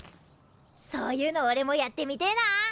そういうのおれもやってみてえな。